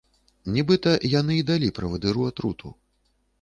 Нібыта, яны і далі правадыру атруту.